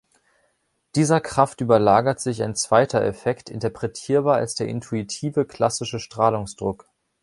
Dieser Kraft überlagert sich ein zweiter Effekt, interpretierbar als der intuitive klassische Strahlungsdruck.